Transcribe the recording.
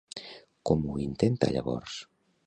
Com ho intenta llavors?